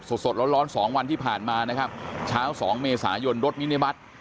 สดสดร้อนร้อนสองวันที่ผ่านมานะครับเช้าสองเมษายนรถมินิบัติ